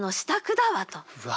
うわ。